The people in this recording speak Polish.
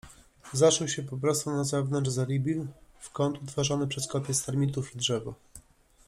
Zaszył się poprostu na zewnątrz zeriby, w kąt, utworzony przez kopiec termitów i drzewo.